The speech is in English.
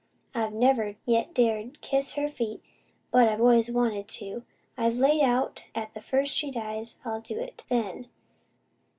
I've never yet dared kiss her feet, but I've always wanted to. I've laid out 'at if she dies first, I'll do it then.